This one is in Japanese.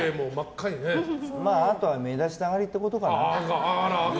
あとは目立ちたがりってことかな。